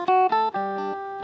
aduh aku bisa